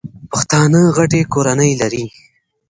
پښتانه غټي کورنۍ لري.